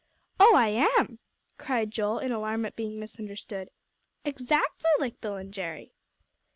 "Oh, I am!" cried Joel, in alarm at being misunderstood; "exactly like Bill and Jerry."